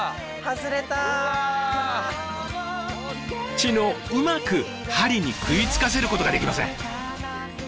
チヌをうまく針に食いつかせることができません。